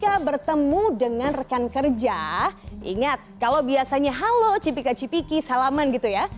ketika bertemu dengan rekan kerja ingat kalau biasanya halo cipika cipiki salaman gitu ya